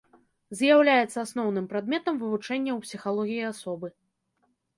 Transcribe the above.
З'яўляецца асноўным прадметам вывучэння ў псіхалогіі асобы.